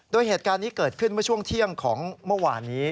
โดยเหตุการณ์นี้เกิดขึ้นเมื่อช่วงเที่ยงของเมื่อวานนี้